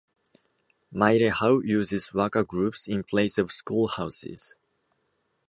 Mairehau uses waka groups in place of school houses.